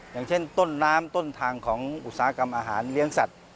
อย่างเช่นต้นน้ำต้นทางของอุตสาหกรรมอาหารเลี้ยงสัตว